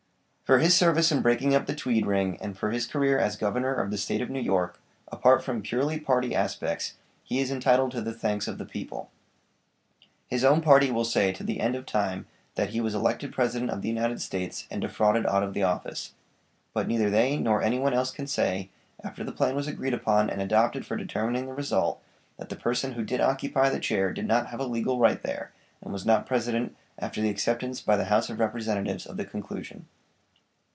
For his service in breaking up the Tweed ring, and for his career as Governor of the State of New York, apart from purely party aspects, he is entitled to the thanks of the people. His own party will say to the end of time that he was elected president of the United States, and defrauded out of the office. But neither they nor anyone else can say, after the plan was agreed upon and adopted for determining the result, that the person who did occupy the chair did not have a legal right there, and was not president after the acceptance by the House of Representatives of the conclusion.